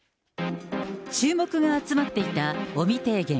注目が集まっていた尾身提言。